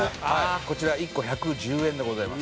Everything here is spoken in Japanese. こちら１個１１０円でございます。